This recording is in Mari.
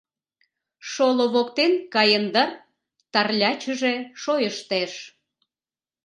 Шоло воктен каен дыр», Тарлячыже шойыштеш.